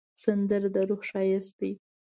سندره د روح ښایست دی